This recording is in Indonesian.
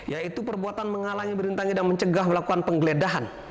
yaitu perbuatan menghalangi berintang intang dan mencegah melakukan penggeledahan